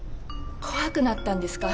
怖くなったんですか？